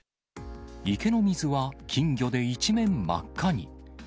池の水は、金魚で一面真っ赤に。